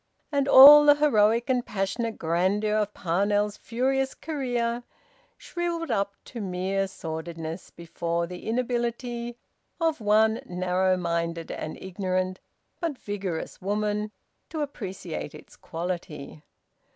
And all the heroic and passionate grandeur of Parnell's furious career shrivelled up to mere sordidness before the inability of one narrow minded and ignorant but vigorous woman to appreciate its quality.